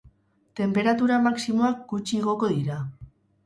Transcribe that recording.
Tenperatura maximoak gutxi igoko dira.